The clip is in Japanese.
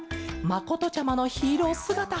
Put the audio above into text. まことちゃまのヒーローすがた。